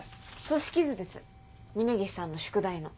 組織図です峰岸さんの宿題の。